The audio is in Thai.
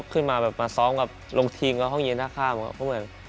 ตื่นล้างทีมผมจะลงพิกัดกับห้องหญิงหน้าข้าม